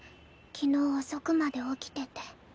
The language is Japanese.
昨日遅くまで起きてて。